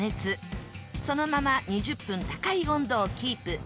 そのまま２０分高い温度をキープ。